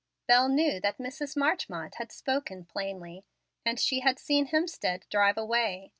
Bel knew that Mrs. Marchmont had "spoken plainly," and she had seen Hemstead drive away.